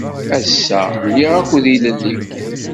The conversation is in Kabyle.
Ass-a, liɣ akud ilelli.